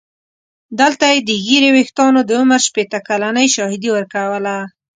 دلته یې د ږیرې ویښتانو د عمر شپېته کلنۍ شاهدي ورکوله.